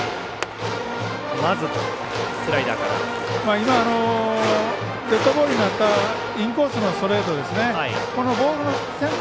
今、デッドボールになったインコースのストレート。